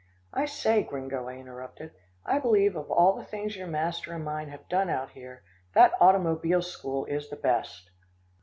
"I say, Gringo," I interrupted, "I believe of all the things your master and mine have done out here, that automobile school is the best."